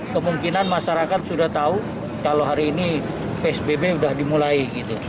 kemungkinan masyarakat sudah tahu kalau hari ini psbb sudah dimulai